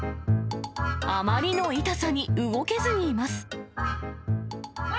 あまりの痛さに動けずにいます。